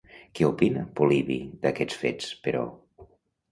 Què opina Polibi d'aquests fets, però?